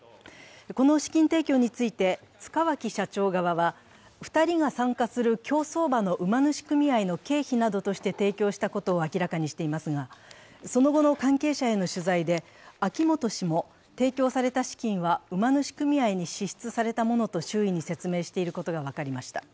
この資金提供について、塚脇社長側は２人が参加する競走馬の馬主組合の経費などとして提供したことを明らかにしていますが、その後の関係者への取材で、秋本氏も提供された資金は馬主組合に支出されたものと周囲に説明していることが分かりました。